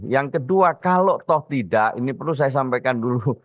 yang kedua kalau toh tidak ini perlu saya sampaikan dulu